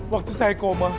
waktu saya koma